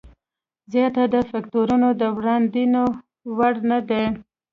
زیاتره دغه فکټورونه د وړاندوینې وړ نه دي.